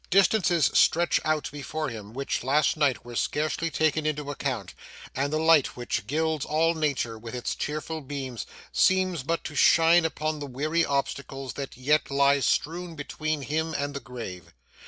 Distances stretch out before him which, last night, were scarcely taken into account, and the light which gilds all nature with its cheerful beams, seems but to shine upon the weary obstacles that yet lie strewn between him and the grave.